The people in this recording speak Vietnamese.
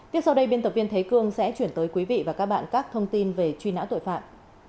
tiếp sau đây biên tập viên thế cương sẽ chuyển tới quý vị và các bạn các thông tin về truy nã tội phạm